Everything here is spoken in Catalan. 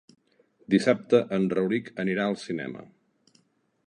Dissabte en Rauric anirà al cinema.